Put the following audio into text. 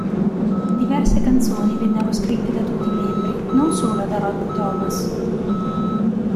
Diverse canzoni vennero scritte da tutti i membri, non solo da Rob Thomas.